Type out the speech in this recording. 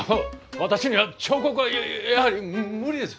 私には彫刻はやはり無理です。